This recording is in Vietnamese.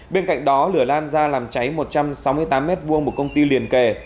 bên cạnh đó lửa lan ra làm cháy một trăm sáu mươi tám m hai một công ty liền kề